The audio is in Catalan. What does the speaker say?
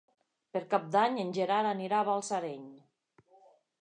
Per Cap d'Any en Gerard anirà a Balsareny.